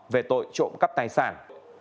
về tội trộm cắp tài sản